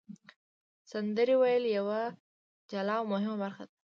سندرې ویل یوه جلا او مهمه برخه ده.